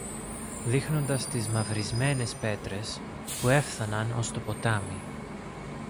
δείχνοντας τις μαυρισμένες πέτρες που έφθαναν ως το ποτάμι.